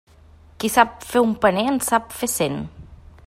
Qui sap fer un paner, en sap fer cent.